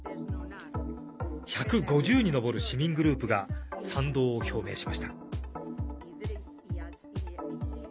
１５０に上る市民グループが賛同を表明しました。